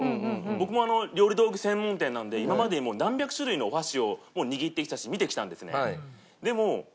僕も料理道具専門店なんで今までにもう何百種類のお箸を握ってきたし見てきたんですね。